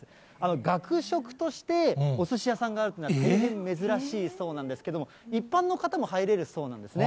学食としておすし屋さんがあるというのは、大変珍しいそうなんですけれども、一般の方も入れるそうなんですね。